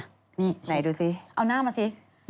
อันใหม่สิ